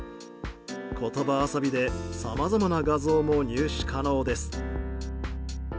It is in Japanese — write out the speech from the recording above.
言葉遊びでさまざまな画像も入手可能です。